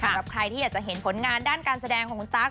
สำหรับใครที่อยากจะเห็นผลงานด้านการแสดงของคุณตั๊ก